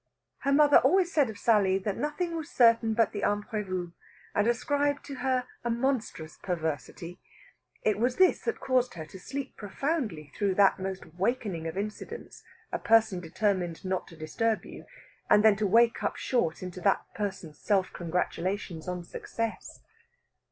Her mother always said of Sally that nothing was certain but the imprévu, and ascribed to her a monstrous perversity. It was this that caused her to sleep profoundly through that most awakening of incidents, a person determined not to disturb you, and then to wake up short into that person's self congratulations on success.